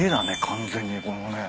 完全にこのね。